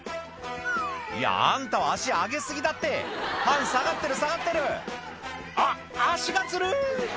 いやあんたは足上げ過ぎだってパン下がってる下がってる「あ足がつる！」